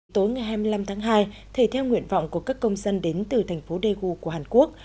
tối ngày hai mươi năm tháng hai thể theo nguyện vọng của các công dân đến từ thành phố daegu của hàn quốc